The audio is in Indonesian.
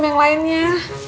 maaf bang ojak